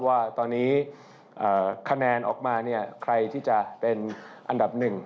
ว่าตอนนี้คะแนนออกมาเนี่ยใครที่จะเป็นอันดับหนึ่ง